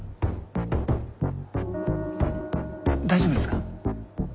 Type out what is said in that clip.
大丈夫ですか？